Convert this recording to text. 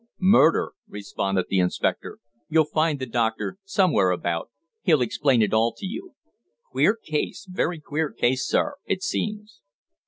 "Murder," responded the inspector. "You'll find the doctor somewhere about. He'll explain it all to you. Queer case very queer case, sir, it seems."